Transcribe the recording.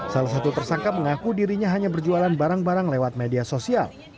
salah satu tersangka mengaku dirinya hanya berjualan barang barang lewat media sosial